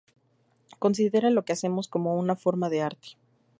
Considera lo que hacemos como una forma de arte.